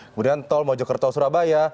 kemudian tol mojokerto surabaya